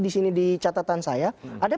di sini di catatan saya ada